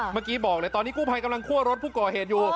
เมื่อกี้บอกเลยตอนนี้กู้ภัยกำลังคั่วรถผู้ก่อเหตุอยู่